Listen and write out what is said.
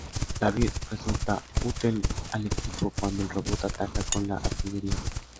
David resulta útil al equipo cuando el robot ataca con la artillería pesada.